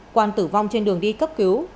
quan tử vong trên đường đi cấp cứu